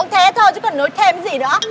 cũng thế thôi chứ cần nói thêm gì nữa